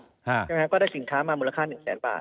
ใช่ไหมก็ได้สินค้ามามูลค่า๑แสนบาท